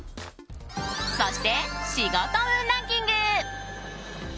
そして、仕事運ランキング。